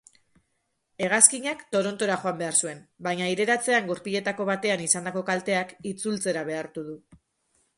Hegazkinak Torontora joan behar zuen, baina aireratzean gurpiletako batean izandako kalteak itzultzera behartu du.